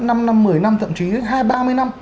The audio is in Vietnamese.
năm năm một mươi năm thậm chí đến hai mươi ba mươi năm